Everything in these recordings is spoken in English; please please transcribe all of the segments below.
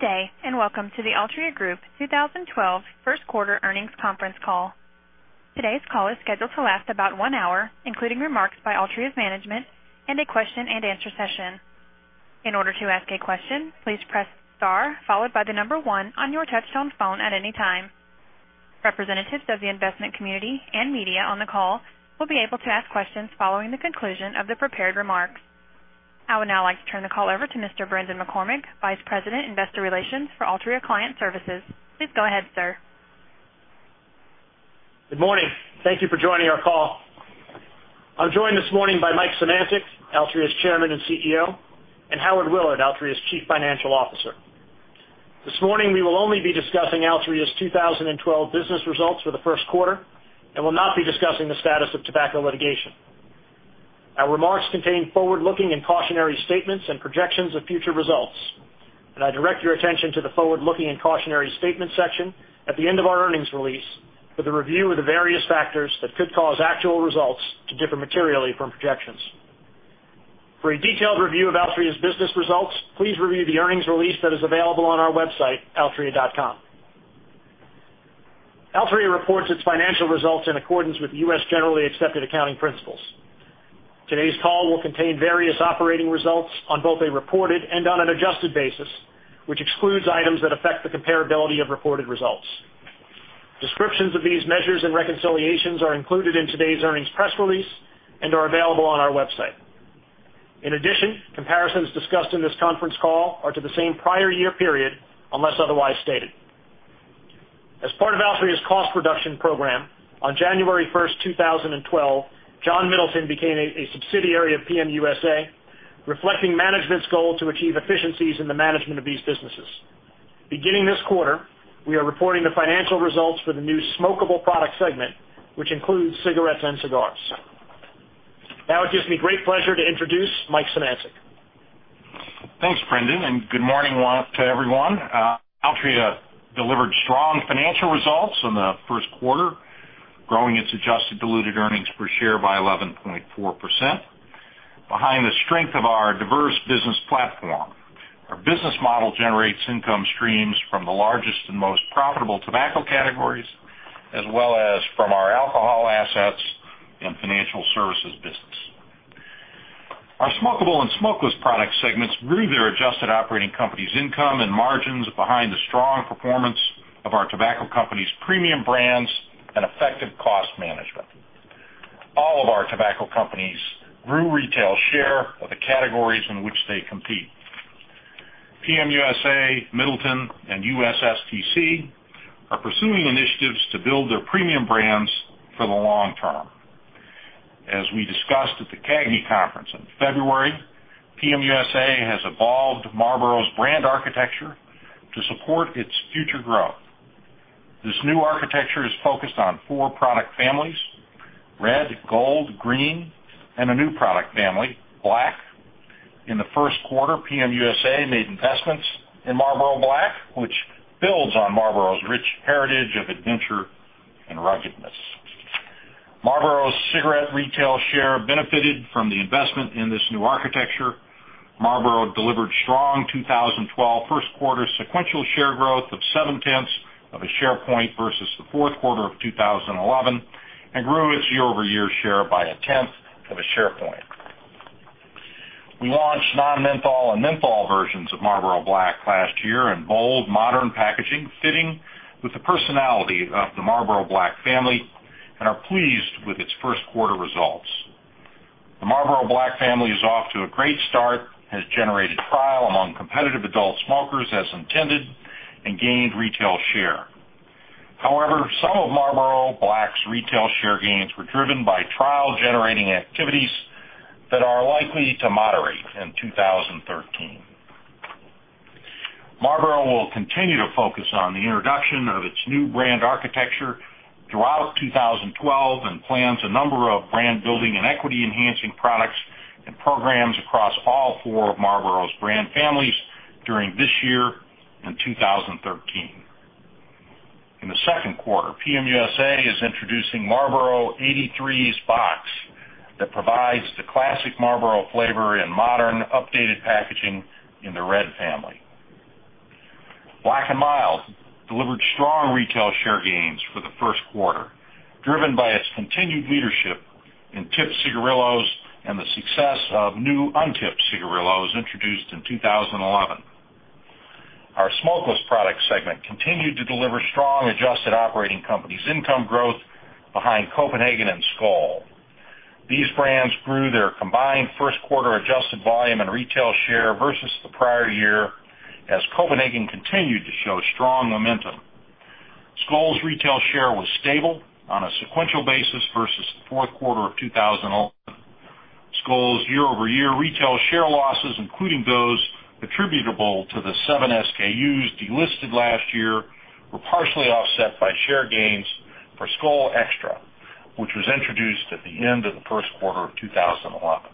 Today, and welcome to the Altria Group 2012 First Quarter Earnings Conference Call. Today's call is scheduled to last about one hour, including remarks by Altria's management and a question-and-answer session. In order to ask a question, please press star followed by the number one on your touchtone phone at any time. Representatives of the investment community and media on the call will be able to ask questions following the conclusion of the prepared remarks. I would now like to turn the call over to Mr. Brendan McCormick, Vice President, Investor Relations for Altria Client Services. Please go ahead, sir. Good morning. Thank you for joining our call. I'm joined this morning by Mike Szymanczyk, Altria's Chairman and CEO, and Howard Willard, Altria's Chief Financial Officer. This morning, we will only be discussing Altria's 2012 business results for the first quarter and will not be discussing the status of tobacco litigation. Our remarks contain forward-looking and cautionary statements and projections of future results. I direct your attention to the forward-looking and cautionary statement section at the end of our earnings release for the review of the various factors that could cause actual results to differ materially from projections. For a detailed review of Altria's business results, please review the earnings release that is available on our website, altria.com. Altria reports its financial results in accordance with U.S. Generally Accepted Accounting Principles. Today's call will contain various operating results on both a reported and on an adjusted basis, which excludes items that affect the comparability of reported results. Descriptions of these measures and reconciliations are included in today's earnings press release and are available on our website. In addition, comparisons discussed in this conference call are to the same prior year period unless otherwise stated. As part of Altria's cost reduction program, on January 1st, 2012, John Middleton became a subsidiary of PM USA, reflecting management's goal to achieve efficiencies in the management of these businesses. Beginning this quarter, we are reporting the financial results for the new smokable product segment, which includes cigarettes and cigars. Now, it gives me great pleasure to introduce Mike Szymanczyk. Thanks, Brendan, and good morning to everyone. Altria delivered strong financial results in the first quarter, growing its adjusted diluted EPS by 11.4%. Behind the strength of our diverse business platform, our business model generates income streams from the largest and most profitable tobacco categories, as well as from our alcohol assets and financial services business. Our smokable and smokeless product segments grew their adjusted operating company's income and margins behind the strong performance of our tobacco companies' premium brands and effective cost management. All of our tobacco companies grew retail share of the categories in which they compete. PM USA, Middleton, and USSTC are pursuing initiatives to build their premium brands for the long term. As we discussed at the CAGNY Conference in February, PM USA has evolved Marlboro's brand architecture to support its future growth. This new architecture is focused on four product families: Red, Gold, Green, and a new product family, Black. In the first quarter, PM USA made investments in Marlboro Black, which builds on Marlboro's rich heritage of adventure and ruggedness. Marlboro's cigarette retail share benefited from the investment in this new architecture. Marlboro delivered strong 2012 first quarter sequential share growth of 0.7 of a share point versus the fourth quarter of 2011 and grew it's year-over-year 1/10 of a share point. We launched non-menthol and menthol versions of Marlboro Black last year in bold, modern packaging, fitting with the personality of the Marlboro Black family, and are pleased with its first quarter results. The Marlboro Black family is off to a great start, has generated trial among competitive adult smokers as intended, and gained retail share. However, some of Marlboro Black's retail share gains were driven by trial-generating activities that are likely to moderate in 2013. Marlboro will continue to focus on the introduction of its new brand architecture throughout 2012 and plans a number of brand-building and equity-enhancing products and programs across all four of Marlboro's brand families during this year and 2013. In the second quarter, PM USA is introducing Marlboro EIGHTY-THREES Box that provides the Classic Marlboro flavor in modern, updated packaging in the Red family. Black & Mild delivered strong retail share gains for the first quarter, driven by its continued leadership in tipped cigarillos and the success of new untipped cigarillos introduced in 2011. Our smokeless product segment continued to deliver strong adjusted operating company's income growth behind Copenhagen and Skoal. These brands grew their combined first quarter adjusted volume and retail share versus the prior year as Copenhagen continued to show strong momentum. Skoal's retail share was stable on a sequential basis versus the fourth quarter of 2008. Skoal's year-over-year retail share losses, including those attributable to the seven SKUs delisted last year, were partially offset by share gains for Skoal X-tra, which was introduced at the end of the first quarter of 2011.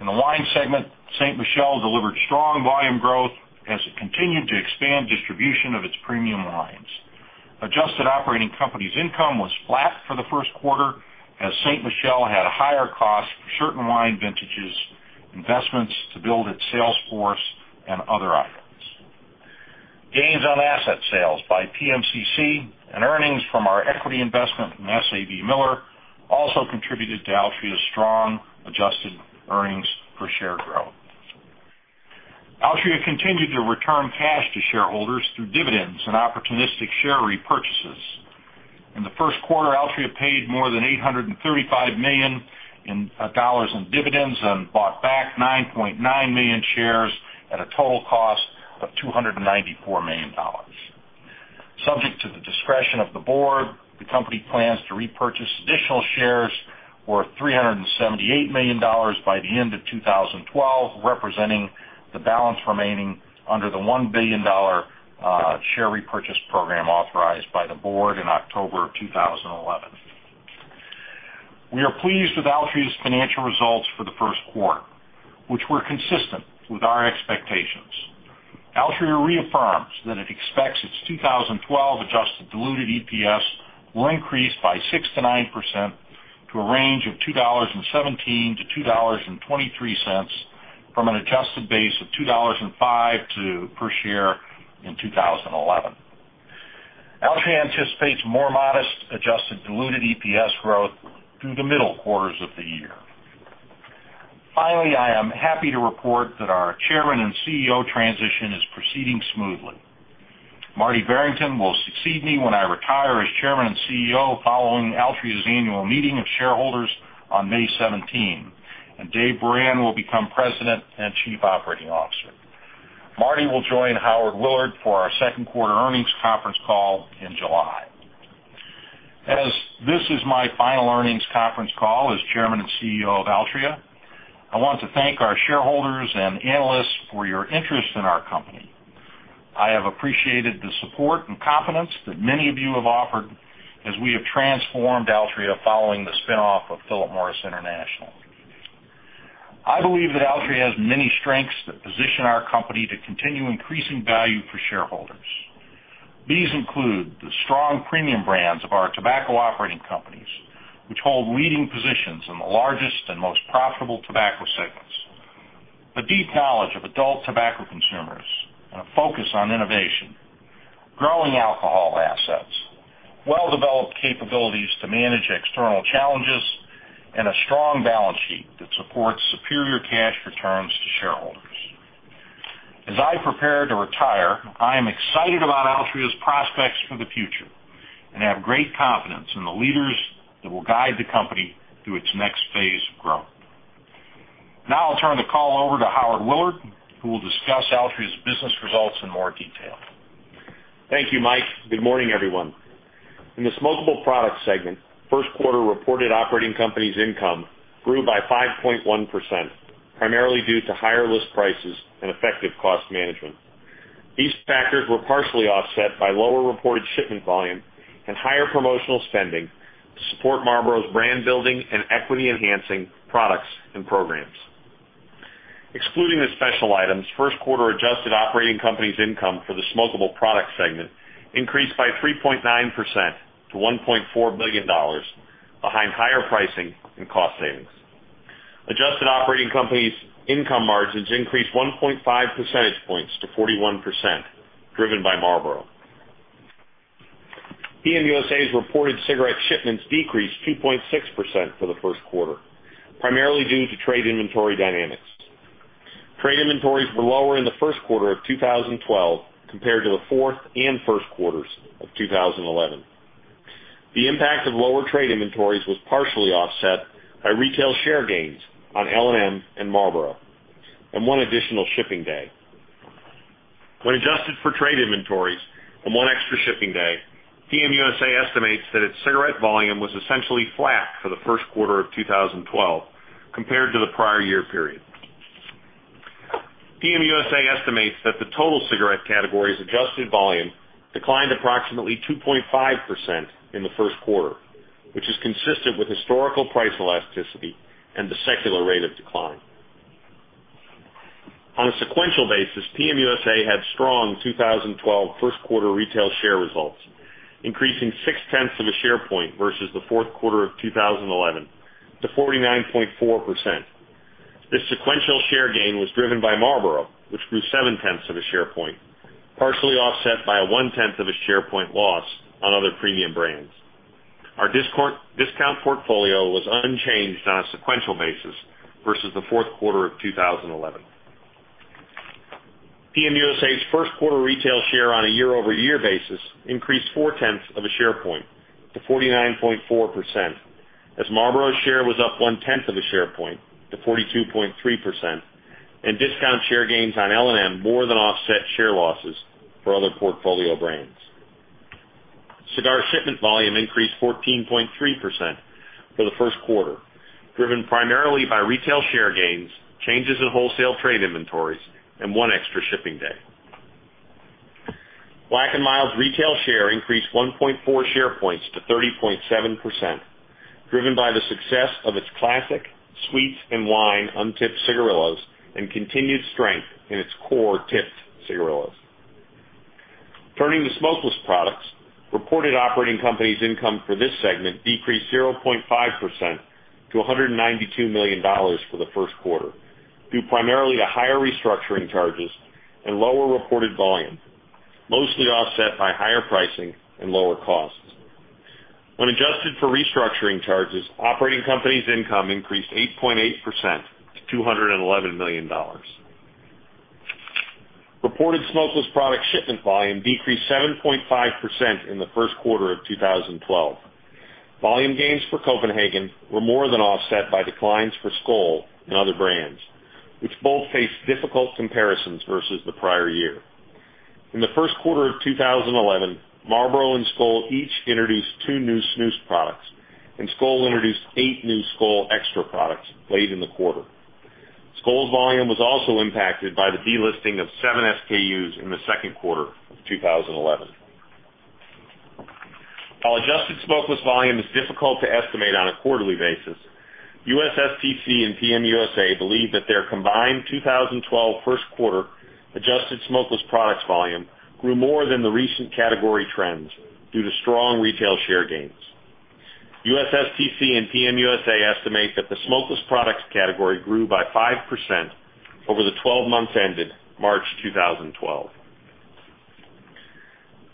In the wine segment, Ste. Michelle delivered strong volume growth as it continued to expand distribution of its premium wines. Adjusted operating company's income was flat for the first quarter as Ste. Michelle had a higher cost for certain wine vintages, investments to build its sales force, and other items. Gains on asset sales by PMCC and earnings from our equity investment in SABMiller also contributed to Altria's strong adjusted earnings per share growth. Altria continued to return cash to shareholders through dividends and opportunistic share repurchases. In the first quarter, Altria paid more than $835 million in dividends and bought back 9.9 million shares at a total cost of $294 million. Subject to the discretion of the board, the company plans to repurchase additional shares worth $378 million by the end of 2012, representing the balance remaining under the $1 billion share repurchase program authorized by the board in October of 2011. We are pleased with Altria's financial results for the first quarter, which were consistent with our expectations. Altria reaffirms that it expects its 2012 adjusted diluted EPS will increase by 6%-9% to a range of $2.17-$2.23 from an adjusted base of $2.05 per share in 2011. Altria anticipates more modest adjusted diluted EPS growth through the middle quarters of the year. Finally, I am happy to report that our Chairman and CEO transition is proceeding smoothly. Marty Barrington will succeed me when I retire as Chairman and CEO following Altria's annual meeting of shareholders on May 17, and Dave Beran will become President and Chief Operating Officer. Marty will join Howard Willard for our second quarter earnings conference call in July. As this is my final earnings conference call as Chairman and CEO of Altria, I want to thank our shareholders and analysts for your interest in our company. I have appreciated the support and confidence that many of you have offered as we have transformed Altria following the spin-off of Philip Morris International. I believe that Altria's has many strengths that position our company to continue increasing value for shareholders. These include the strong premium brands of our tobacco operating companies, which hold leading positions in the largest and most profitable tobacco segments, a deep knowledge of adult tobacco consumers, and a focus on innovation, growing alcohol assets, well-developed capabilities to manage external challenges, and a strong balance sheet that supports superior cash returns to shareholders. As I prepare to retire, I am excited about Altria's prospects for the future and have great confidence in the leaders that will guide the company through its next phase of growth. Now I'll turn the call over to Howard Willard, who will discuss Altria's business results in more detail. Thank you, Mike. Good morning, everyone. In the smokable product segment, first quarter reported operating company's income grew by 5.1%, primarily due to higher list prices and effective cost management. These factors were partially offset by lower reported shipment volume and higher promotional spending to support Marlboro's brand-building and equity-enhancing products and programs. Excluding the special items, first quarter adjusted operating company's income for the smokable product segment increased by 3.9% to $1.4 billion, behind higher pricing and cost savings. Adjusted operating company's income margins increased 1.5 percentage points to 41%, driven by Marlboro. PM USA's reported cigarette shipments decreased 2.6% for the first quarter, primarily due to trade inventory dynamics. Trade inventories were lower in the first quarter of 2012 compared to the fourth and first quarters of 2011. The impact of lower trade inventories was partially offset by retail share gains on L&M and Marlboro and one additional shipping day. When adjusted for trade inventories and one extra shipping day, PM USA estimates that its cigarette volume was essentially flat for the first quarter of 2012 compared to the prior year period. PM USA estimates that the total cigarette category's adjusted volume declined approximately 2.5% in the first quarter, which is consistent with historical price elasticity and the secular rate of decline. On a sequential basis, PM USA had strong 2012 first quarter retail share results, 6/10 of a share point versus the fourth quarter of 2011 to 49.4%. This sequential share gain was driven by Marlboro, which grew 7/10 of a share point, partially offset by a 1/10 of a share point loss on other premium brands. Our discount portfolio was unchanged on a sequential basis versus the fourth quarter of 2011. PM USA's first quarter retail share on a year-over-year basis increased four-tenths of a share point to 49.4%, as Marlboro's share was up 1/10 of a share point to 42.3%, and discount share gains on L&M more than offset share losses for other portfolio brands. Cigar shipment volume increased 14.3% for the first quarter, driven primarily by retail share gains, changes in wholesale trade inventories, and one extra shipping day. Black & Mild's retail share increased 1.4 share points to 30.7%, driven by the success of its classic sweets and wine untipped cigarillos and continued strength in its core tipped cigarillos. Turning to smokeless products, reported operating company's income for this segment decreased 0.5% to $192 million for the first quarter, due primarily to higher restructuring charges and lower reported volumes, mostly offset by higher pricing and lower costs. When adjusted for restructuring charges, operating company's income increased 8.8% to $211 million. Reported smokeless product shipment volume decreased 7.5% in the first quarter of 2012. Volume gains for Copenhagen were more than offset by declines for Skoal and other brands, which both faced difficult comparisons versus the prior year. In the first quarter of 2011, Marlboro and Skoal each introduced two new snus products, and Skoal introduced eight new Skoal X-tra products late in the quarter. Skoal's volume was also impacted by the delisting of seven SKUs in the second quarter of 2011. While adjusted smokeless volume is difficult to estimate on a quarterly basis, USSTC and PM USA believe that their combined 2012 first quarter adjusted smokeless products volume grew more than the recent category trends due to strong retail share gains. USSTC and PM USA estimate that the smokeless products category grew by 5% over the 12 months ended March 2012.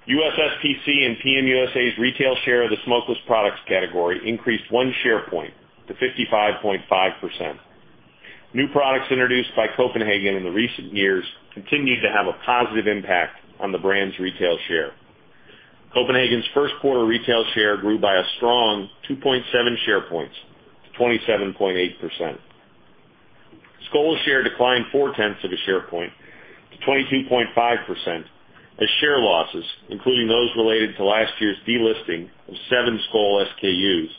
USSTC and PM USA's retail share of the smokeless products category increased one share point to 55.5%. New products introduced by Copenhagen in recent years continued to have a positive impact on the brand's retail share. Copenhagen's first quarter retail share grew by a strong 2.7 share points to 27.8%. Skoal's share declined four-tenths of a share point to 22.5%, as share losses, including those related to last year's delisting of seven Skoal SKUs,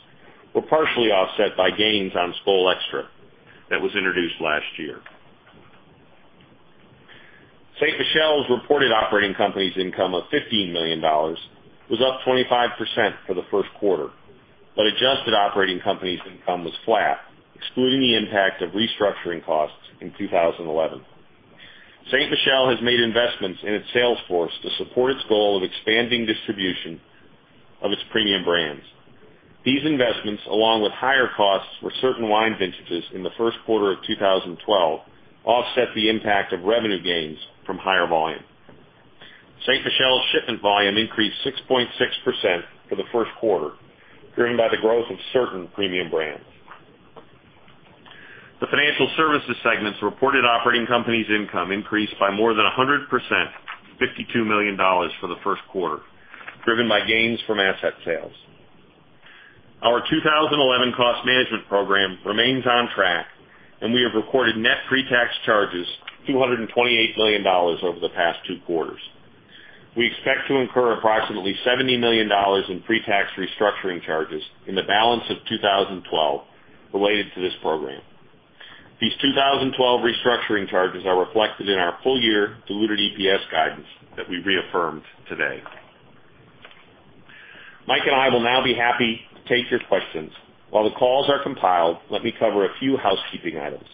were partially offset by gains on Skoal X-tra that was introduced last year. Ste. Michelle's reported operating company's income of $15 million was up 25% for the first quarter, but adjusted operating company's income was flat, excluding the impact of restructuring costs in 2011. Ste. Michelle has made investments in its sales force to support its goal of expanding distribution of its premium brands. These investments, along with higher costs for certain wine vintages in the first quarter of 2012, offset the impact of revenue gains from higher volume. Ste. Michelle's shipment volume increased 6.6% for the first quarter, driven by the growth of certain premium brands. The financial services segment's reported operating company's income increased by more than 100% to $52 million for the first quarter, driven by gains from asset sales. Our 2011 cost management program remains on track, and we have recorded net pre-tax charges of $228 million over the past two quarters. We expect to incur approximately $70 million in pre-tax restructuring charges in the balance of 2012 related to this program. These 2012 restructuring charges are reflected in our full-year diluted EPS guidance that we reaffirmed today. Mike and I will now be happy to take your questions. While the calls are compiled, let me cover a few housekeeping items.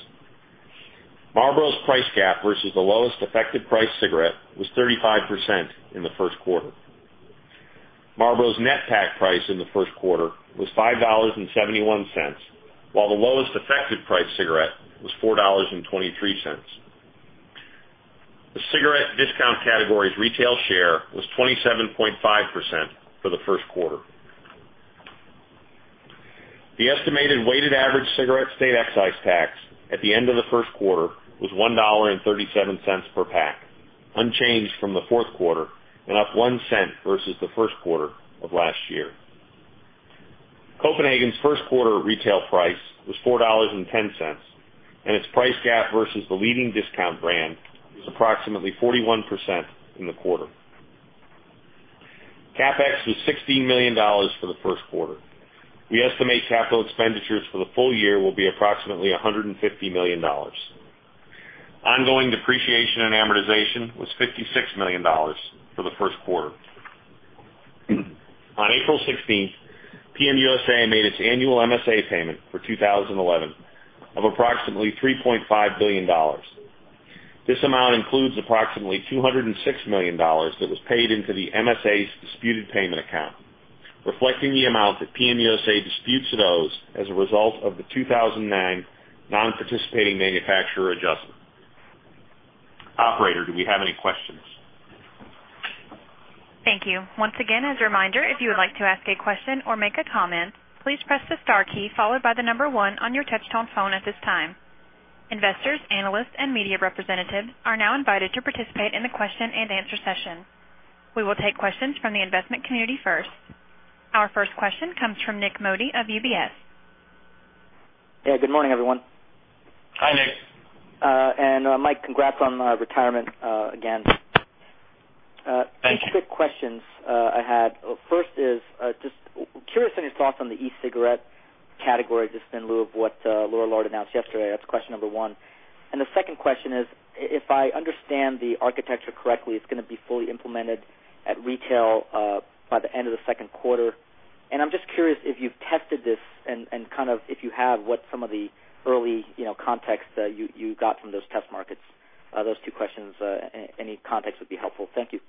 Marlboro's price gap versus the lowest effective price cigarette was 35% in the first quarter. Marlboro's net pack price in the first quarter was $5.71, while the lowest effective price cigarette was $4.23. The cigarette discount category's retail share was 27.5% for the first quarter. The estimated weighted average cigarette state excise tax at the end of the first quarter was $1.37 per pack, unchanged from the fourth quarter and up $0.01 versus the first quarter of last year. Copenhagen's first quarter retail price was $4.10, and its price gap versus the leading discount brand is approximately 41% in the quarter. CapEx was $16 million for the first quarter. We estimate capital expenditures for the full year will be approximately $150 million. Ongoing depreciation and amortization was $56 million for the first quarter. On April 16, PM USA made its annual MSA payment for 2011 of approximately $3.5 billion. This amount includes approximately $206 million that was paid into the MSA's disputed payment account, reflecting the amount that PM USA disputes to those as a result of the 2009 non-participating manufacturer adjustment. Operator, do we have any questions? Thank you. Once again, as a reminder, if you would like to ask a question or make a comment, please press the star key followed by the number one on your touchtone phone at this time. Investors, analysts, and media representatives are now invited to participate in the question-and-answer session. We will take questions from the investment community first. Our first question comes from Nik Modi of UBS. Yeah, good morning, everyone. Hi, Nick. And Mike, congrats on retirement again. Two quick questions I had. First is just curious on your thoughts on the e-cigarette category, just in lieu of what Lorillard announced yesterday. That's question number one. The second question is, if I understand the architecture correctly, it's going to be fully implemented at retail by the end of the second quarter. I'm just curious if you've tested this and kind of if you have, what some of the early context you got from those test markets. Those two questions, any context would be helpful. Thank you.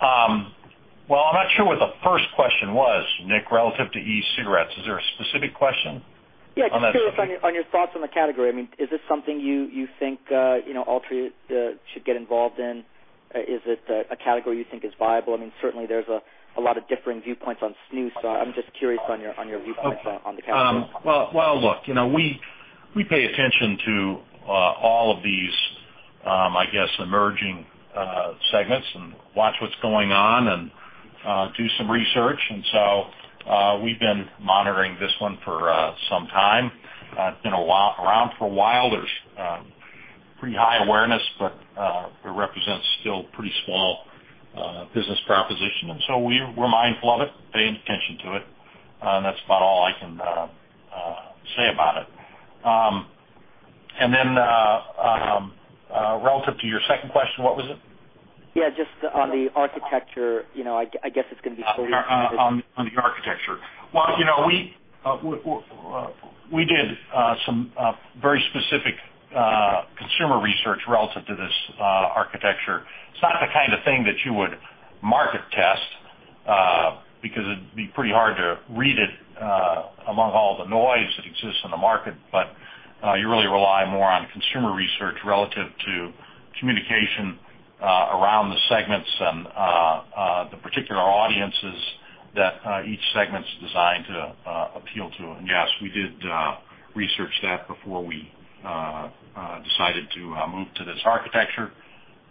I'm not sure what the first question was, Nick, relative to e-cigarettes. Is there a specific question? Yeah, just curious on your thoughts on the category. I mean, is this something you think Altria should get involved in? Is it a category you think is viable? I mean, certainly, there's a lot of differing viewpoints on Skoal, so I'm just curious on your viewpoints on the category. You know we pay attention to all of these, I guess, emerging segments and watch what's going on and do some research. We've been monitoring this one for some time. It's been around for a while. There's pretty high awareness, but it represents still a pretty small business proposition. We're mindful of it, paying attention to it. That's about all I can say about it. Relative to your second question, what was it? Yeah, just on the brand architecture, you know I guess it's going to be. On the architecture, you know we did some very specific consumer research relative to this architecture. It's not the kind of thing that you would market test because it'd be pretty hard to read it among all the noise that exists in the market. You really rely more on consumer research relative to communication around the segments and the particular audiences that each segment's designed to appeal to. Yes, we did research that before we decided to move to this architecture.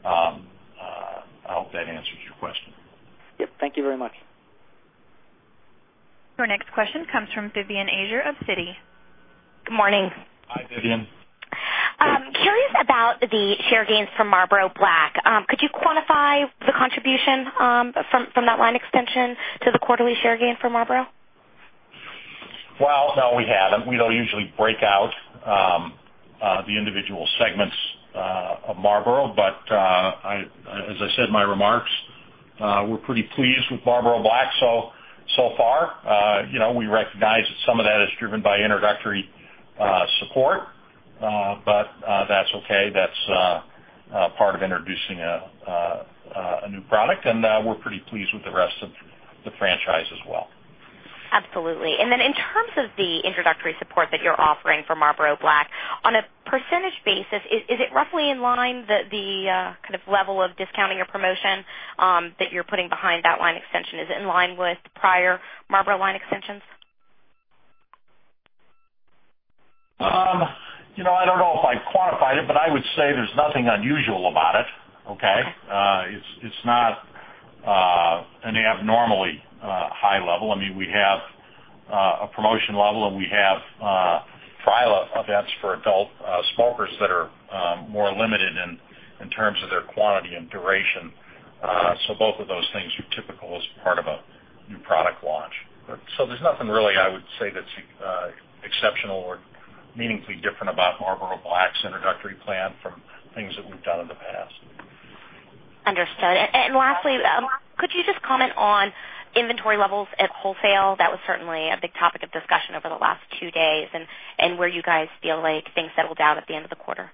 I hope that answers your question. Thank you very much. Our next question comes from Vivian Azer of Citi. Good morning. Hi, Vivian. Curious about the share gains from Marlboro Black. Could you quantify the contribution from that line extension to the quarterly share gain for Marlboro? No, we haven't. We don't usually break out the individual segments of Marlboro. As I said in my remarks, we're pretty pleased with Marlboro Black so far. We recognize that some of that is driven by introductory support, but that's okay. That's part of introducing a new product, and we're pretty pleased with the rest of the franchise as well. Absolutely. In terms of the introductory support that you're offering for Marlboro Black, on a percentage basis, is it roughly in line with the kind of level of discounting or promotion that you're putting behind that line extension? Is it in line with the prior Marlboro line extensions? I don't know if I quantified it, but I would say there's nothing unusual about it, okay? It's not an abnormally high level. We have a promotion level, and we have trial events for adult smokers that are more limited in terms of their quantity and duration. Both of those things are typical as part of a new product launch. There's nothing really I would say that's exceptional or meaningfully different about Marlboro Black's introductory plan from things that we've done in the past. Understood. Lastly, could you just comment on inventory levels at wholesale? That was certainly a big topic of discussion over the last two days and where you guys feel like things settled down at the end of the quarter.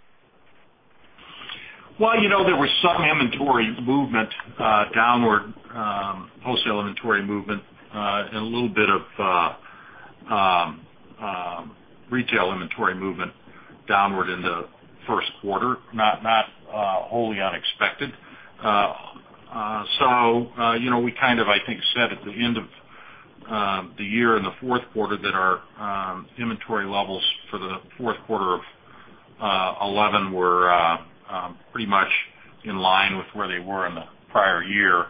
There was some inventory movement downward, wholesale inventory movement, and a little bit of retail inventory movement downward in the first quarter, not wholly unexpected. I think we said at the end of the year in the fourth quarter that our inventory levels for the fourth quarter of 2011 were pretty much in line with where they were in the prior year.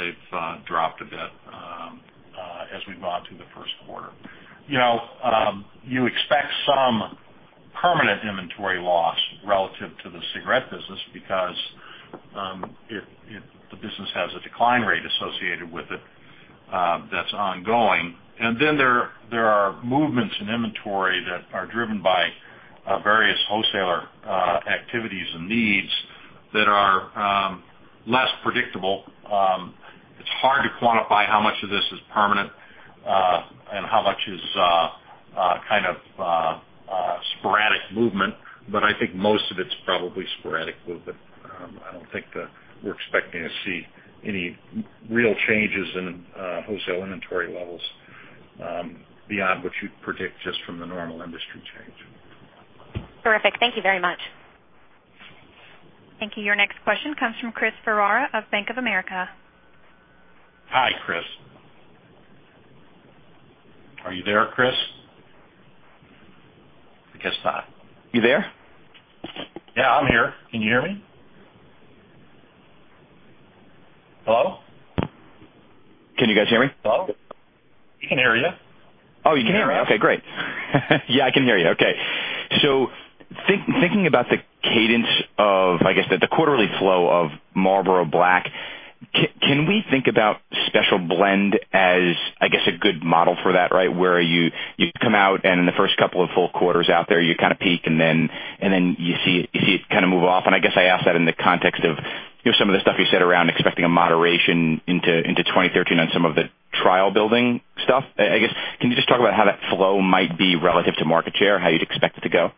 They've dropped a bit as we've gone through the first quarter. You expect some permanent inventory loss relative to the cigarette business because if the business has a decline rate associated with it that's ongoing. There are movements in inventory that are driven by various wholesaler activities and needs that are less predictable. It's hard to quantify how much of this is permanent and how much is kind of sporadic movement. I think most of it's probably sporadic movement. I don't think we're expecting to see any real changes in wholesale inventory levels beyond what you'd predict just from the normal industry change. Perfect. Thank you very much. Thank you. Your next question comes from Chris Ferrara of Bank of America. Hi, Chris. Are you there, Chris? I guess not. You there? Yeah, I'm here. Can you hear me? Hello? Can you guys hear me? Hello? I can hear you. Oh, you can hear me. Okay, great. Yeah, I can hear you. Okay. Thinking about the cadence of, I guess, the quarterly flow of Marlboro Black, can we think about Special Blend as, I guess, a good model for that, right? Where you come out and in the first couple of full quarters out there, you kind of peak, and then you see it kind of move off. I ask that in the context of here's some of the stuff you said around expecting a moderation into 2013 on some of the trial building stuff. Can you just talk about how that flow might be relative to market share, how you'd expect it to go?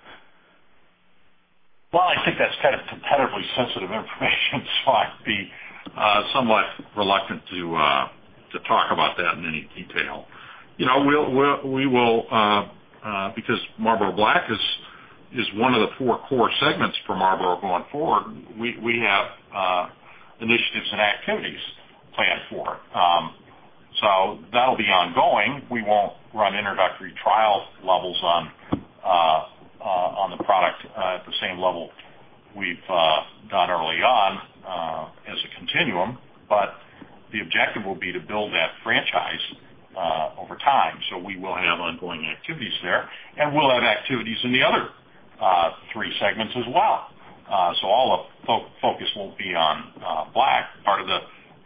I think that's kind of competitively sensitive information, so I'd be somewhat reluctant to talk about that in any detail. You know, we will, because Marlboro Black is one of the four core segments for Marlboro going forward, we have initiatives and activities planned for it. That'll be ongoing. We won't run introductory trial levels on the product at the same level we've done early on as a continuum. The objective will be to build that franchise over time. We will have ongoing activities there, and we'll have activities in the other three segments as well. All the focus won't be on Black. Part of the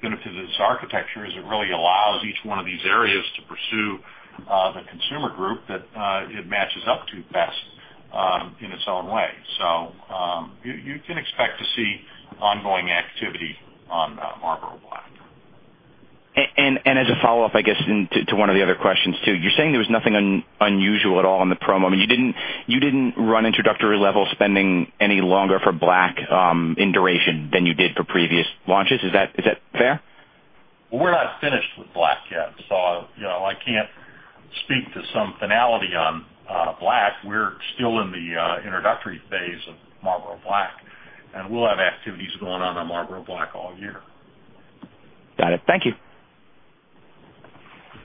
benefit of this architecture is it really allows each one of these areas to pursue the consumer group that it matches up to best in its own way. You can expect to see ongoing activity on Marlboro Black. As a follow-up, I guess, to one of the other questions too, you're saying there was nothing unusual at all in the promo. I mean, you didn't run introductory level spending any longer for Black in duration than you did for previous launches. Is that fair? We're not finished with Black yet. You know I can't speak to some finality on Black. We're still in the introductory phase of Marlboro Black, and we'll have activities going on Marlboro Black all year. Got it. Thank you.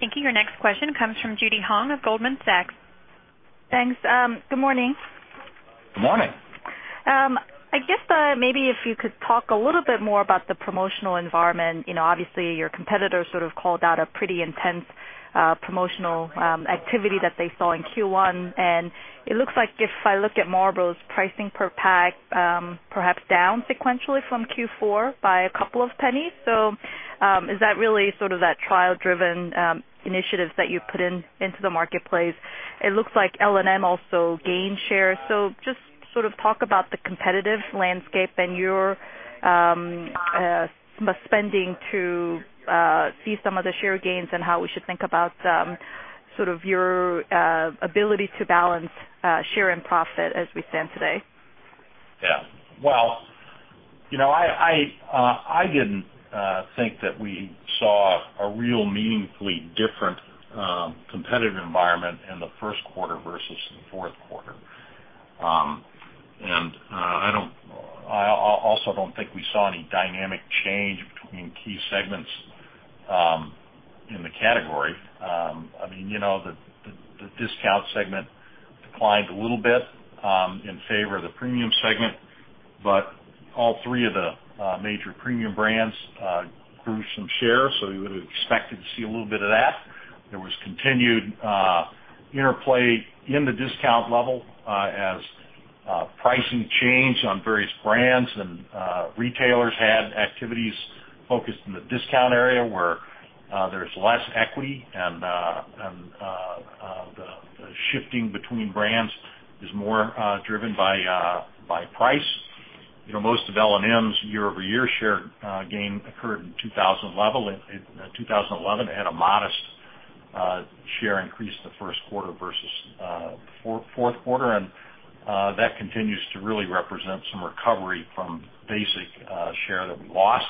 Thank you. Your next question comes from Judy Hong of Goldman Sachs Group. Thanks. Good morning. Good morning. I guess maybe if you could talk a little bit more about the promotional environment. You know, obviously, your competitors sort of called out a pretty intense promotional activity that they saw in Q1. It looks like if I look at Marlboro's pricing per pack, perhaps down sequentially from Q4 by a couple of pennies. Is that really sort of that trial-driven initiative that you put into the marketplace? It looks like L&M also gained shares. Just sort of talk about the competitive landscape and your spending to see some of the share gains and how we should think about your ability to balance share and profit as we stand today. Yeah. You know I didn't think that we saw a real meaningfully different competitive environment in the first quarter versus the fourth quarter. I also don't think we saw any dynamic change between key segments in the category. The discount segment declined a little bit in favor of the premium segment, but all three of the major premium brands grew some share, so we would have expected to see a little bit of that. There was continued interplay in the discount level as pricing changed on various brands, and retailers had activities focused in the discount area where there's less equity, and the shifting between brands is more driven by price. Most of L&M's year-over-year share gain occurred in 2011. It had a modest share increase the first quarter versus the fourth quarter, and that continues to really represent some recovery from basic share that we lost.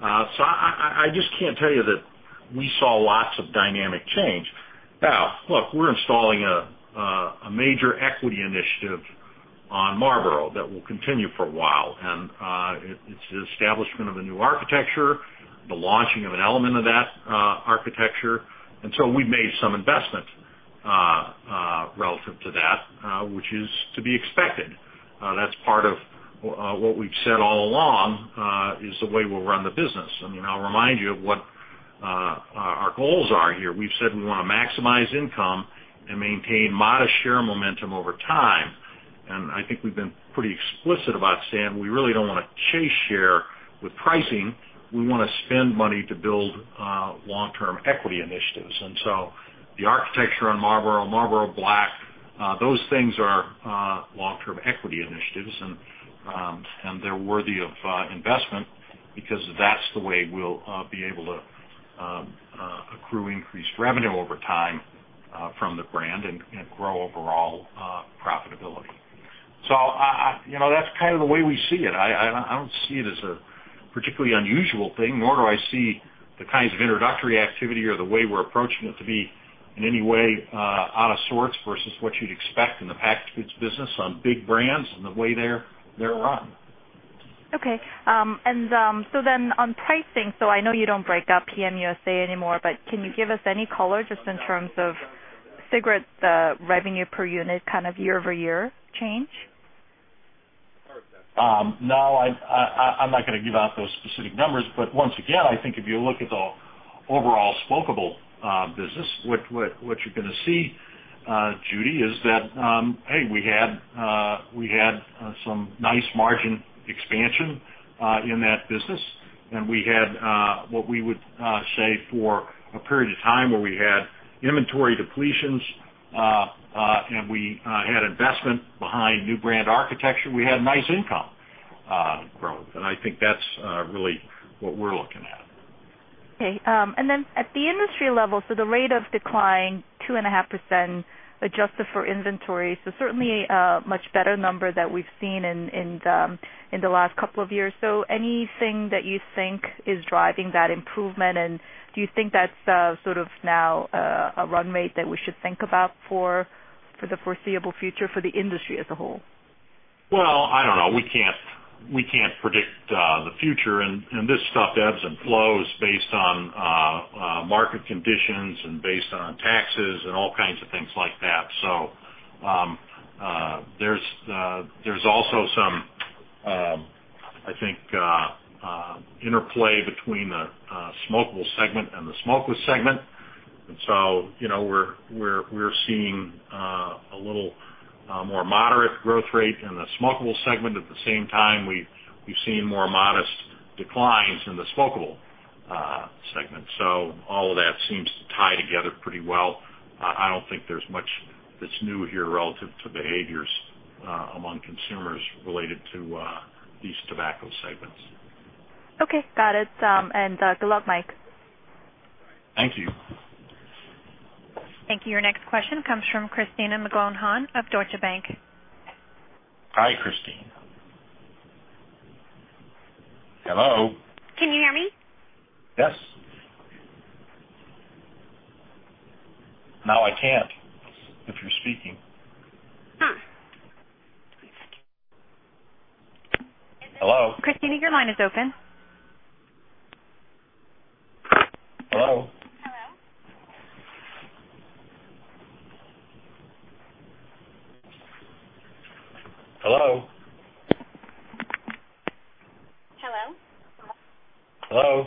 I just can't tell you that we saw lots of dynamic change. Now, look, we're installing a major equity initiative on Marlboro that will continue for a while. It's the establishment of a new architecture, the launching of an element of that architecture. We've made some investment relative to that, which is to be expected. That's part of what we've said all along is the way we'll run the business. I'll remind you of what our goals are here. We've said we want to maximize income and maintain modest share momentum over time. I think we've been pretty explicit about saying we really don't want to chase share with pricing. We want to spend money to build long-term equity initiatives. The architecture on Marlboro, Marlboro Black, those things are long-term equity initiatives, and they're worthy of investment because that's the way we'll be able to accrue increased revenue over time from the brand and grow overall profitability. That's kind of the way we see it. I don't see it as a particularly unusual thing, nor do I see the kinds of introductory activity or the way we're approaching it to be in any way out of sorts versus what you'd expect in the packaged goods business on big brands and the way they're run. Okay, on pricing, I know you don't break up PM USA anymore, but can you give us any color just in terms of cigarette revenue per unit, kind of year-over-year change? No, I'm not going to give out those specific numbers. Once again, I think if you look at the overall smokable business, what you're going to see, Judy, is that, hey, we had some nice margin expansion in that business. We had what we would say for a period of time where we had inventory depletions, and we had investment behind new brand architecture. We had nice income growth. I think that's really what we're looking at. Okay. At the industry level, the rate of decline is 2.5% adjusted for inventory, certainly a much better number than we've seen in the last couple of years. Is there anything that you think is driving that improvement? Do you think that's sort of now a run rate that we should think about for the foreseeable future for the industry as a whole? I don't know. We can't predict the future. This stuff ebbs and flows based on market conditions and based on taxes and all kinds of things like that. There's also some, I think, interplay between the smokable segment and the smokeless segment. You know we're seeing a little more moderate growth rate in the smokable segment. At the same time, we've seen more modest declines in the smokable segment. All of that seems to tie together pretty well. I don't think there's much that's new here relative to behaviors among consumers related to these tobacco segments. Okay. Got it. Good luck, Mike. Thank you. Thank you. Your next question comes from Christina McGowan-Hahn of Deutsche Bank. Hi, Christina. Hello. Can you hear me? Yes. Now I can't if you're speaking. Hello? Christina, your line is open. Hello. Hello. Hello. Hello. Hello.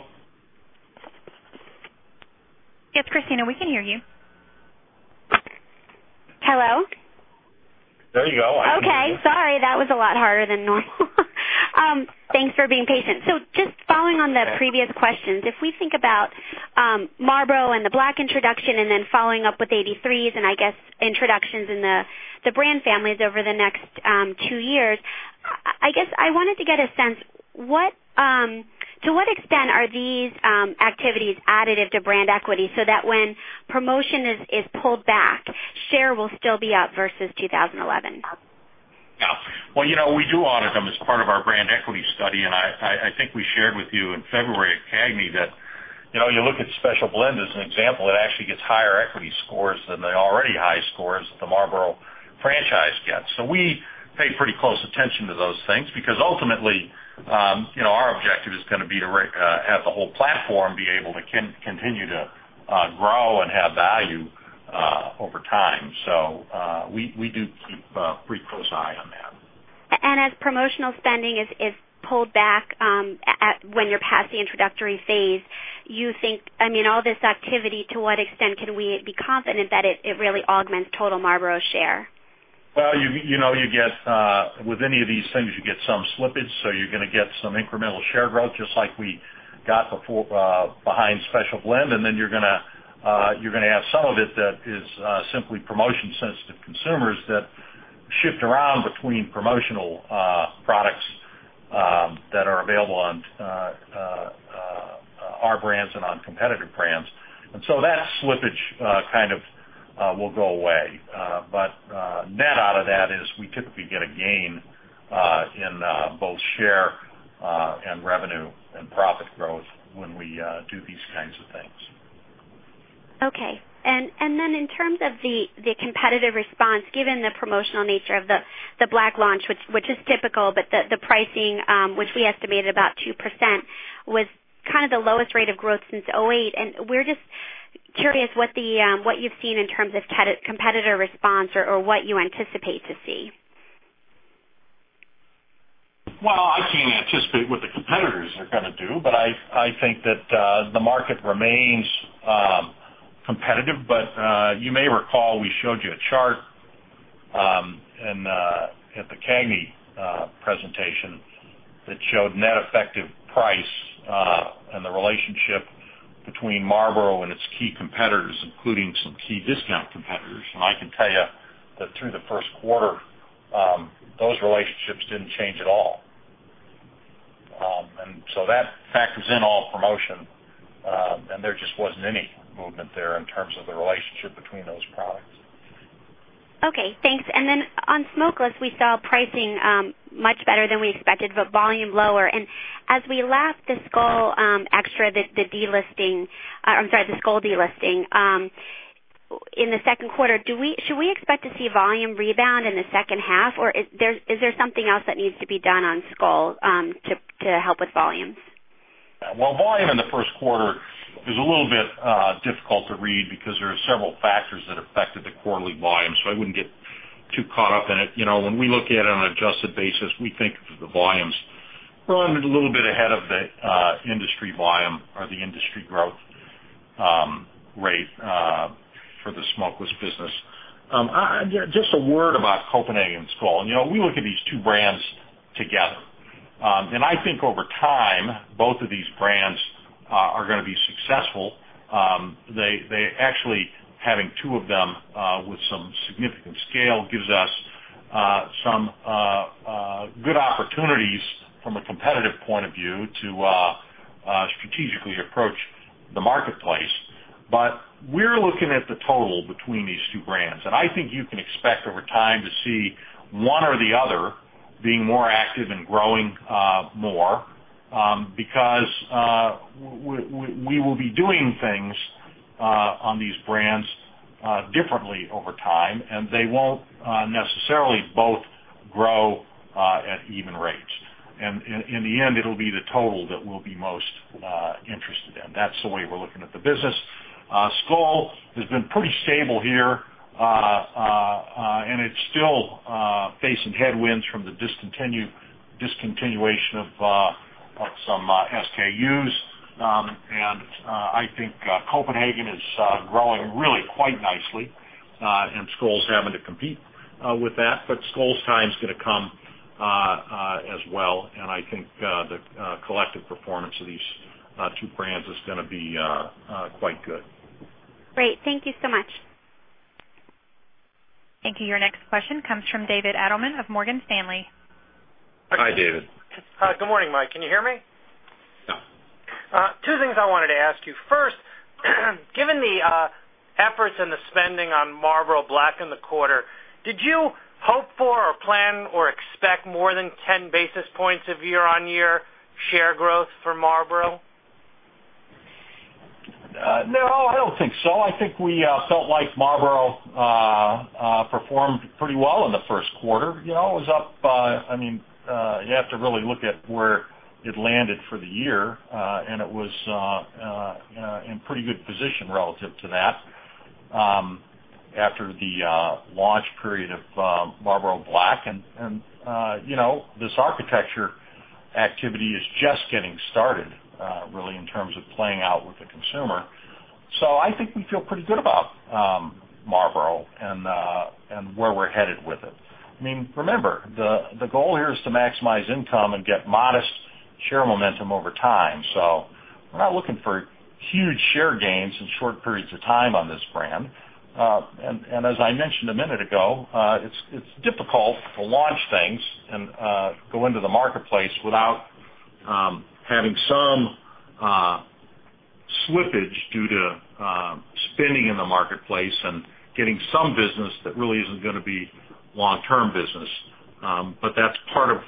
Yes, Christina, we can hear you. Hello. There you go. Okay. Sorry, that was a lot harder than normal. Thanks for being patient. Just following on the previous questions, if we think about Marlboro and the Black introduction and then following up with EIGHTY-THREE and, I guess, introductions in the brand families over the next two years, I guess I wanted to get a sense to what extent are these activities additive to brand equity so that when promotion is pulled back, share will still be up versus 2011? You know we do audit them as part of our brand equity study. I think we shared with you in February at CAGNY that you know, you look at Special Blend as an example, it actually gets higher equity scores than the already high scores that the Marlboro franchise gets. We pay pretty close attention to those things because ultimately, you know our objective is going to be to have the whole platform be able to continue to grow and have value over time. We do keep a pretty close eye on that. As promotional spending is pulled back when you're past the introductory phase, you think, I mean, all this activity, to what extent can we be confident that it really augments total Marlboro share? You know, you get with any of these things, you get some slippage. You're going to get some incremental share growth just like we got before behind Special Blend. You're going to have some of it that is simply promotion-sensitive consumers that shift around between promotional products that are available on our brands and on competitive brands. That slippage kind of will go away. Net out of that is we typically get a gain in both share and revenue and profit growth when we do these kinds of things. Okay. In terms of the competitive response, given the promotional nature of the Black launch, which is typical, but the pricing, which we estimated at about 2%, was kind of the lowest rate of growth since 2008. We're just curious what you've seen in terms of competitor response or what you anticipate to see. I can't anticipate what the competitors are going to do, but I think that the market remains competitive. You may recall we showed you a chart at the CAGNY presentation that showed net effective price and the relationship between Marlboro and its key competitors, including some key discount competitors. I can tell you that through the first quarter, those relationships didn't change at all. That factors in all promotion, and there just wasn't any movement there in terms of the relationship between those products. Okay. Thanks. On smokeless, we saw pricing much better than we expected, but volume lower. As we lap this X-tra, the delisting, I'm sorry, the Skoal delisting in the second quarter, should we expect to see volume rebound in the second half, or is there something else that needs to be done on Skoal to help with volumes? Volume in the first quarter is a little bit difficult to read because there are several factors that affected the quarterly volume. I wouldn't get too caught up in it. You know, when we look at it on an adjusted basis, we think that the volumes run a little bit ahead of the industry volume or the industry growth rate for the smokeless business. Yeah, just a word about Copenhagen and Skoal. You know, we look at these two brands together. I think over time, both of these brands are going to be successful. They actually, having two of them with some significant scale, gives us some good opportunities from a competitive point of view to strategically approach the marketplace. We're looking at the total between these two brands. I think you can expect over time to see one or the other being more active and growing more because we will be doing things on these brands differently over time. They won't necessarily both grow at even rates. In the end, it'll be the total that we'll be most interested in. That's the way we're looking at the business. Skoal has been pretty stable here, and it's still facing headwinds from the discontinuation of some SKUs. I think Copenhagen is growing really quite nicely, and Skoal's having to compete with that. Skoal's time is going to come as well. I think the collective performance of these two brands is going to be quite good. Great. Thank you so much. Thank you. Your next question comes from David Adelman of Morgan Stanley. Hi, David. Good morning, Mike. Can you hear me? Yeah. Two things I wanted to ask you. First, given the efforts and the spending on Marlboro Black in the quarter, did you hope for or plan or expect more than 10 basis points of year-on-year share growth for Marlboro? No, I don't think so. I think we felt like Marlboro performed pretty well in the first quarter. It was up. You have to really look at where it landed for the year, and it was in pretty good position relative to that after the launch period of Marlboro Black. This brand architecture activity is just getting started, really, in terms of playing out with the consumer. I think we feel pretty good about Marlboro and where we're headed with it. Remember, the goal here is to maximize income and get modest share momentum over time. We're not looking for huge share gains in short periods of time on this brand. As I mentioned a minute ago, it's difficult to launch things and go into the marketplace without having some slippage due to spending in the marketplace and getting some business that really isn't going to be long-term business. That's part of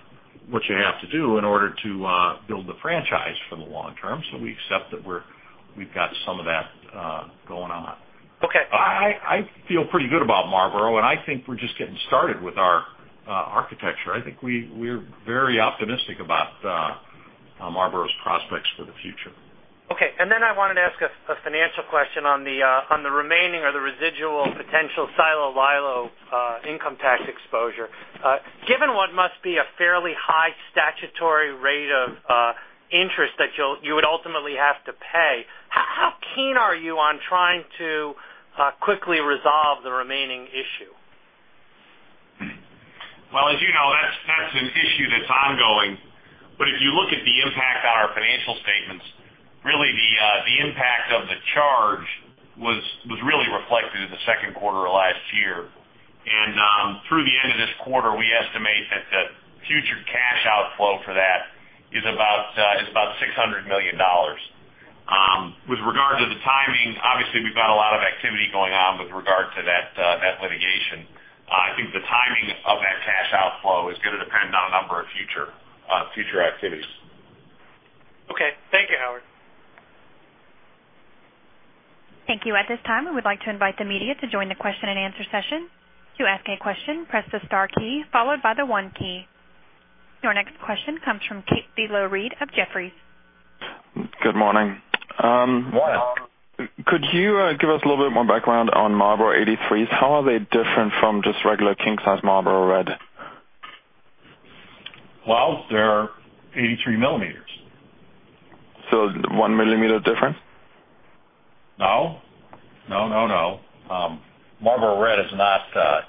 what you have to do in order to build the franchise for the long term. We accept that we've got some of that going on. Okay. I feel pretty good about Marlboro, and I think we're just getting started with our brand architecture. I think we're very optimistic about Marlboro's prospects for the future. Okay. I wanted to ask a financial question on the remaining or the residual potential Silo Lilo income tax exposure. Given what must be a fairly high statutory rate of interest that you would ultimately have to pay, how keen are you on trying to quickly resolve the remaining issue? As you know, that's an issue that's ongoing. If you look at the impact on our financial statements, the impact of the charge was really reflected in the second quarter of last year. Through the end of this quarter, we estimate that the future cash outflow for that is about $600 million. With regard to the timing, obviously, we've got a lot of activity going on with regard to that litigation. I think the timing of that cash outflow is going to depend on a number of future activities. Okay. Thank you, Howard. Thank you. At this time, we would like to invite the media to join the question-and-answer session. To ask a question, press the star key followed by the one key. Our next question comes from Thilo Wrede of Jefferies. Good morning. Morning. Could you give us a little bit more background on Marlboro EIGHTY-THREE? How are they different from just regular king-size Marlboro Red? They're 83 millimeters. a one millimeter difference? Marlboro Red is not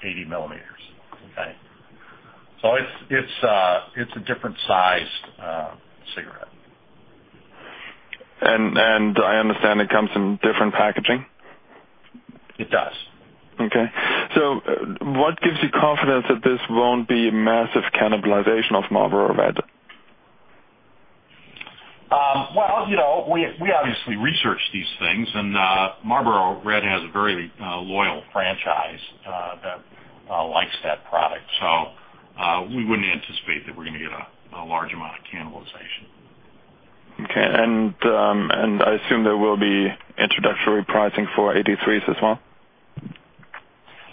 80 millimeters, okay? It's a different size cigarette. I understand it comes in different packaging? It does. What gives you confidence that this won't be a massive cannibalization of Marlboro Red? You know we obviously research these things, and Marlboro Red has a very loyal franchise that likes that product. We wouldn't anticipate that we're going to get a large amount of cannibalization. Okay. I assume there will be introductory pricing for EIGHTY-THREES as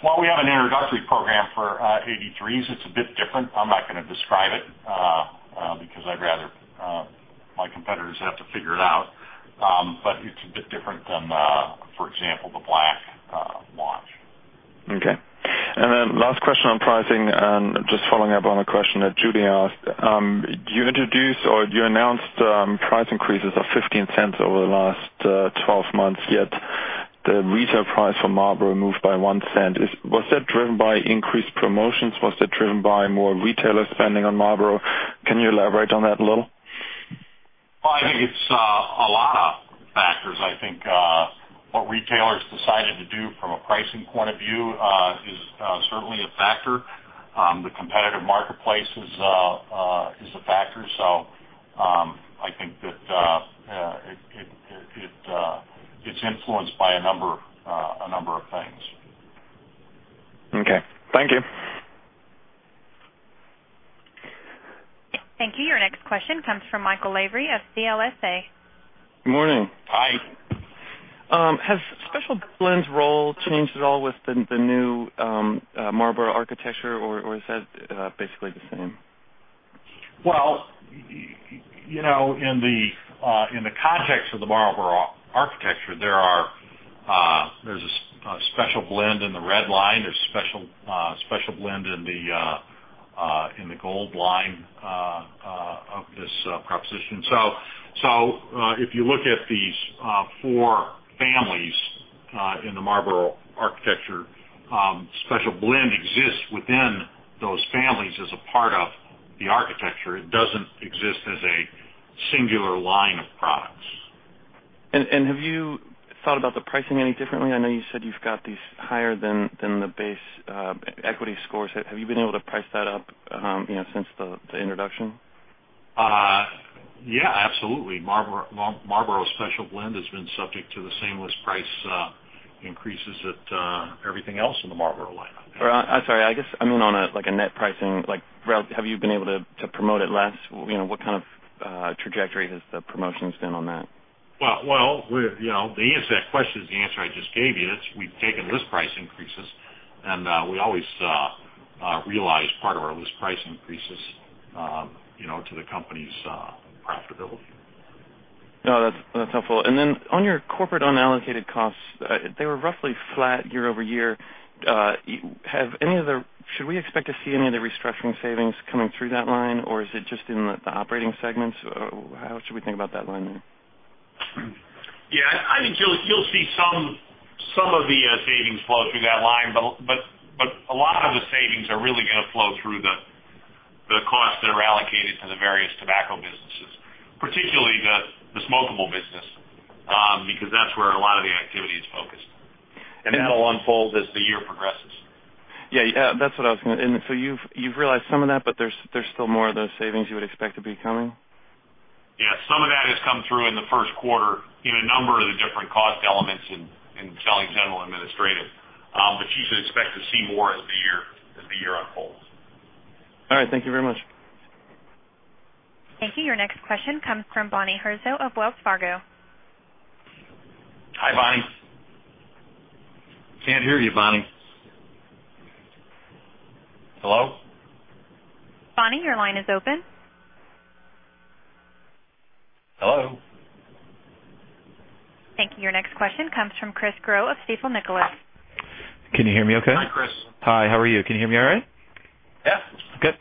well? We have an introductory program for EIGHTY-THREES. It's a bit different. I'm not going to describe it because I'd rather my competitors have to figure it out. It's a bit different than, for example, the Black launch. Okay. Last question on pricing, just following up on a question that Judy asked. You introduced or you announced price increases of $0.15 over the last 12 months, yet the retail price for Marlboro moved by $0.01. Was that driven by increased promotions? Was that driven by more retailers spending on Marlboro? Can you elaborate on that a little? I think it's a lot of factors. I think what retailers decided to do from a pricing point of view is certainly a factor. The competitive marketplace is a factor. I think that it's influenced by a number of things. Okay, thank you. Thank you. Your next question comes from Michael Lavery of CLSA. Good morning. Hi. Has Special Blend's role changed at all with the new Marlboro brand architecture, or is that basically the same? In the context of the Marlboro brand architecture, there's a Special Blend in the Red line. There's a Special Blend in the Gold line of this proposition. If you look at these four families in the Marlboro brand architecture, Special Blend exists within those families as a part of the architecture. It doesn't exist as a singular line of products. Have you thought about the pricing any differently? I know you said you've got these higher than the base equity scores. Have you been able to price that up since the introduction? Yeah, absolutely. Marlboro Special Blend has been subject to the same price increases as everything else in the Marlboro line. I'm sorry. I guess I mean on a net pricing. Have you been able to promote it less? What kind of trajectory has the promotional spend on that? To answer that question, is the answer I just gave you. We've taken list price increases, and we always realize part of our list price increases to the company's profitability. No, that's helpful. On your corporate unallocated costs, they were roughly flat year-over-year. Should we expect to see any of the restructuring savings coming through that line, or is it just in the operating segments? How should we think about that line there? I think you'll see some of the savings flow through that line, but a lot of the savings are really going to flow through the costs that are allocated to the various tobacco businesses, particularly the smokable business, because that's where a lot of the activity is focused. That'll unfold as the year progresses. Yeah, that's what I was going to, and so you've realized some of that, but there's still more of those savings you would expect to be coming? Yeah, some of that has come through in the first quarter in a number of the different cost elements in selling, general, administrative. You should expect to see more as the year unfolds. All right. Thank you very much. Thank you. Your next question comes from Bonnie Herzog of Wells Fargo. Hi, Bonnie. Can't hear you, Bonnie. Hello? Bonnie, your line is open. Hello? Thank you. Your next question comes from Chris Growe of Stifel [Nicolaus] Can you hear me okay? Hi, Chris. Hi, how are you? Can you hear me all right? Yeah.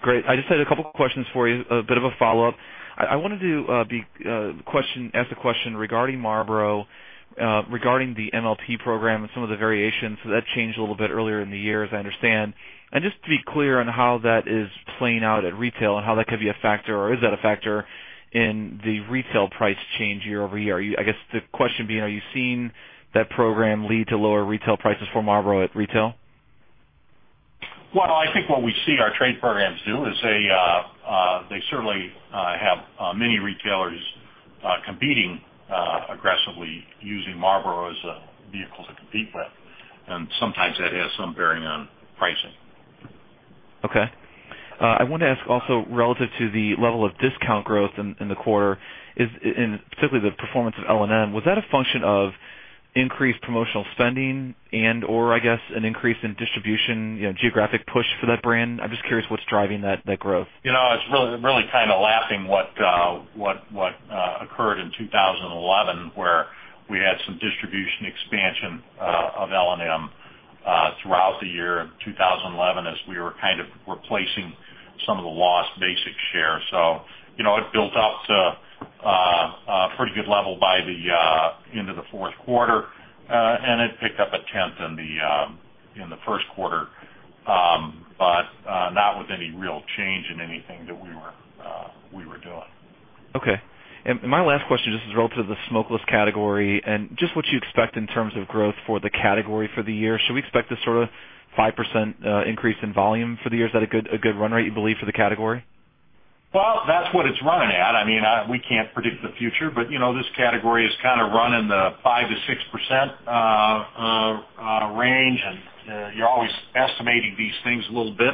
Great. I just had a couple of questions for you, a bit of a follow-up. I wanted to ask a question regarding Marlboro, regarding the MLP program and some of the variations. That changed a little bit earlier in the year, as I understand. Just to be clear on how that is playing out at retail and how that could be a factor, or is that a factor in the retail price change year over year? I guess the question being, are you seeing that program lead to lower retail prices for Marlboro at retail? I think what we see our trade programs do is they certainly have many retailers competing aggressively using Marlboro as a vehicle to compete with. Sometimes that has some bearing on pricing. Okay. I want to ask also relative to the level of discount growth in the quarter, and particularly the performance of L&M. Was that a function of increased promotional spending, or, I guess, an increase in distribution, geographic push for that brand? I'm just curious what's driving that growth. It's really kind of like what occurred in 2011, where we had some distribution expansion of L&M throughout the year in 2011 as we were kind of replacing some of the lost Basic share. You know it built up to a pretty good level by the end of the fourth quarter, and it picked up 1/10 in the first quarter, but not with any real change in anything that we were doing. Okay. My last question just is relative to the smokeless category and just what you expect in terms of growth for the category for the year. Should we expect a sort of 5% increase in volume for the year? Is that a good run rate, you believe, for the category? That's what it's running at. I mean, we can't predict the future, but you know this category is kind of running the 5%-6% range. You're always estimating these things a little bit,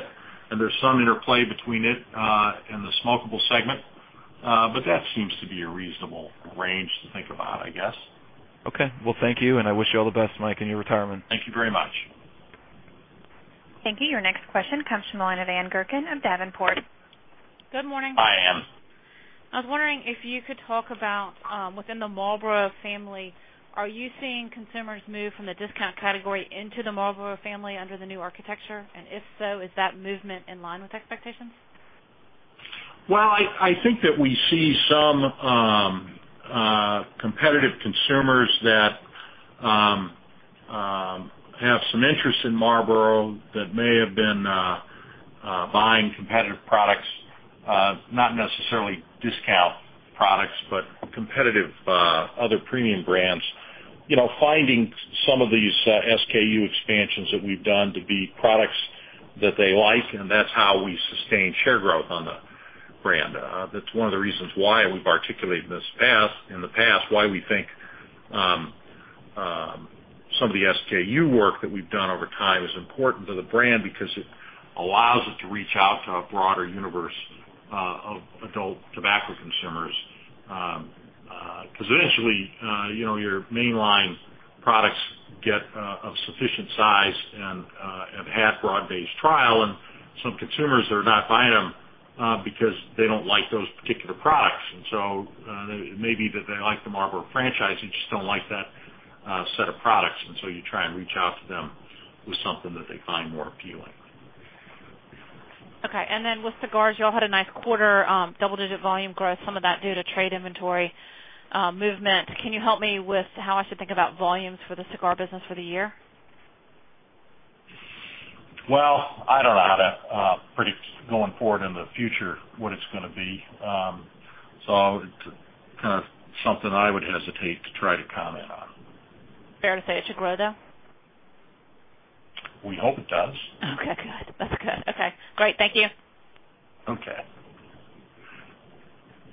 and there's some interplay between it and the smokable segment. That seems to be a reasonable range to think about, I guess. Thank you. I wish you all the best, Mike, in your retirement. Thank you very much. Thank you. Your next question comes from Ann Gurkin of Davenport. Good morning. Hi, Ann. I was wondering if you could talk about within the Marlboro family, are you seeing consumers move from the discount category into the Marlboro family under the new brand architecture? If so, is that movement in line with expectations? I think that we see some competitive consumers that have some interest in Marlboro that may have been buying competitive products, not necessarily discount products, but competitive other premium brands, finding some of these SKU expansions that we've done to be products that they like. That's how we sustain share growth on the brand. That's one of the reasons why we've articulated this path in the past, why we think some of the SKU work that we've done over time is important to the brand because it allows it to reach out to a broader universe of adult tobacco consumers. Eventually, your mainline products get a sufficient size and have broad-based trial, and some consumers are not buying them because they don't like those particular products. It may be that they like the Marlboro franchise. They just don't like that set of products, and you try and reach out to them with something that they find more appealing. Okay. With cigars, y'all had a nice quarter, double-digit volume growth, some of that due to trade inventory movement. Can you help me with how I should think about volumes for the cigar business for the year? I don't know how to predict going forward into the future what it's going to be. It's kind of something I would hesitate to try to comment on. Fair to say it should grow then? We hope it does. Okay. Good. That's good. Okay. Great. Thank you. Okay.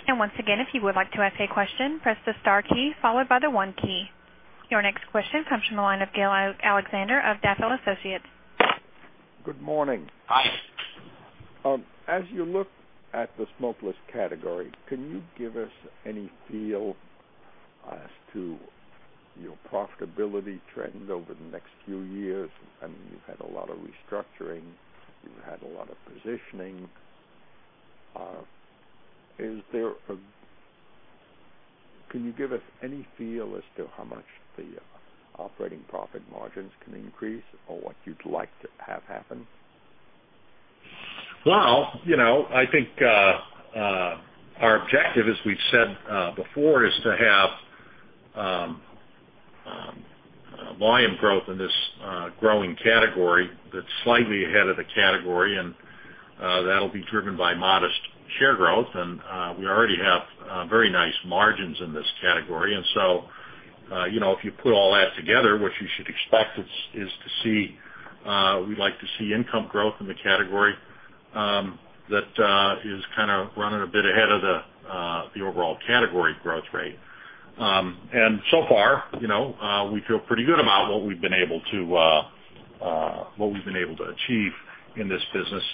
If you would like to ask a question, press the star key followed by the one key. Your next question comes from the line of [Gail Alexander] of [Daffield Associates] Good morning. Hi. As you look at the smokeless category, can you give us any feel as to your profitability trend over the next few years? I mean, you've had a lot of restructuring. You've had a lot of positioning. Can you give us any feel as to how much the operating profit margins can increase or what you'd like to have happen? I think our objective, as we've said before, is to have volume growth in this growing category that's slightly ahead of the category. That'll be driven by modest share growth. We already have very nice margins in this category. If you put all that together, what you should expect is to see, we'd like to see income growth in the category that is kind of running a bit ahead of the overall category growth rate. So far, we feel pretty good about what we've been able to achieve in this business.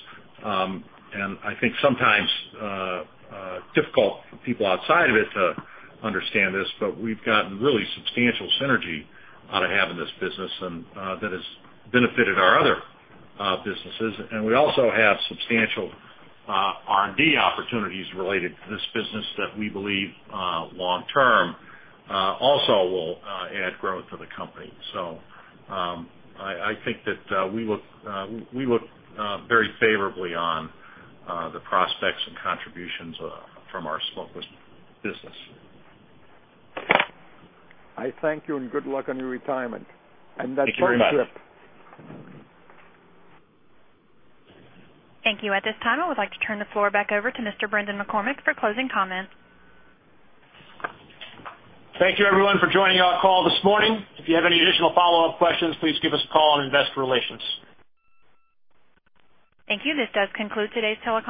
I think sometimes it's difficult for people outside of it to understand this, but we've gotten really substantial synergy out of having this business, and that has benefited our other businesses. We also have substantial R&D opportunities related to this business that we believe long-term also will add growth to the company. I think that we look very favorably on the prospects and contributions from our smokeless business. I thank you, and good luck on your retirement. Thank you very much. That's where we'll trip. Thank you. At this time, I would like to turn the floor back over to Mr. Brendan McCormick for closing comments. Thank you, everyone, for joining our call this morning. If you have any additional follow-up questions, please give us a call on Investor Relations. Thank you. This does conclude today's telecall.